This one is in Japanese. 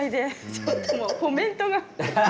ちょっともうコメントが。